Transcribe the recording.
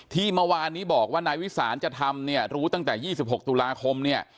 ที่เมื่อวานนี้บอกว่านายวิสานจะทำเนี่ยรู้ตั้งแต่๒๖ตุลาคมเนี่ย